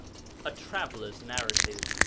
A Traveller's Narrative.